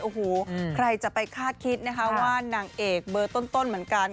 โอ้โหใครจะไปคาดคิดนะคะว่านางเอกเบอร์ต้นเหมือนกัน